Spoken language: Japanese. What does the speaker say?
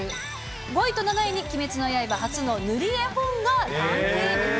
５位と７位に鬼滅の刃初の塗り絵本がランキング。